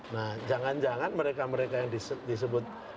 nah jangan jangan mereka mereka yang disebut